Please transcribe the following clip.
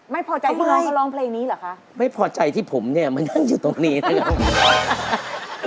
ไม่พอใจที่น้องเขาร้องเพลงนี้เหรอคะไม่พอใจที่ผมเนี่ยมานั่งอยู่ตรงนี้นะครับ